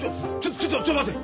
ちょちょっと待て。